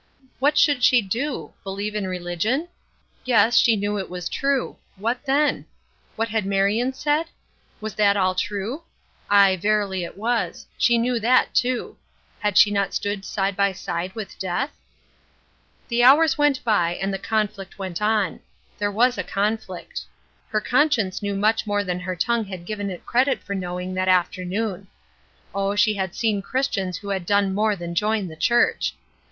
What should she do? Believe in religion? Yes. She knew it was true. What then? What had Marion said? Was that all true? Aye, verily it was; she knew that, too. Had she not stood side by side with death? The hours went by and the conflict went on. There was a conflict. Her conscience knew much more than her tongue had given it credit for knowing that afternoon. Oh, she had seen Christians who had done more than join the church!